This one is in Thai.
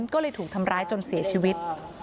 ก็เลยถูกทำร้ายจนเสียชีวิต